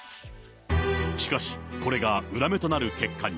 しかし、これが裏目となる結果に。